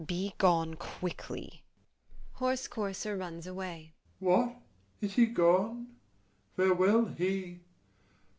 Be gone quickly. [HORSE COURSER runs away.] FAUSTUS. What, is he gone? farewell he!